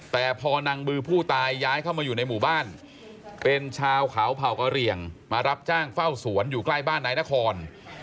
แต่พอนางบือผู้ตายย้ายเข้ามาอยู่ในหมู่บ้านเป็นชาวเขาเผ่ากระเหลี่ยงมารับจ้างเฝ้าสวนอยู่ใกล้บ้านนายนคร